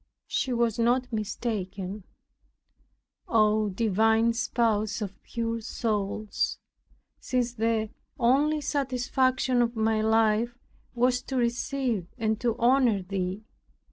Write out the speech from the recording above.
She was not mistaken, O divine Spouse of pure souls, since the only satisfaction of my life was to receive and to honor Thee.